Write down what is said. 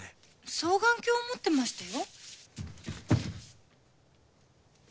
双眼鏡を持ってましたよ。